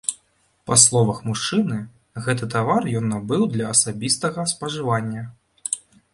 Па словах мужчыны, гэты тавар ён набыў для асабістага спажывання.